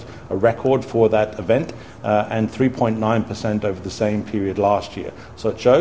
sebuah rekod untuk acara itu dan tiga sembilan persen di periode yang sama tahun lalu